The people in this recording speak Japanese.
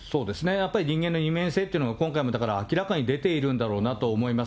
やっぱり人間の二面性というのが、今回もだから明らかに出ているんだろうなって思います。